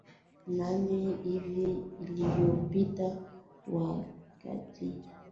linamaanisha hasa kipindi cha miaka Mia nane hivi iliyopita Wakati ule